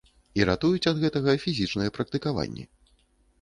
І ратуюць ад гэтага фізічныя практыкаванні.